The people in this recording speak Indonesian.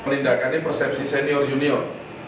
tindakannya persepsi senior junior